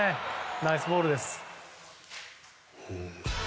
ナイスボールです。